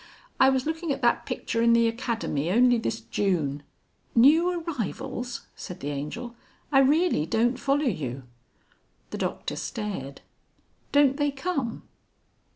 I was looking at that picture in the Academy only this June...." "New Arrivals!" said the Angel. "I really don't follow you." The Doctor stared. "Don't they come?"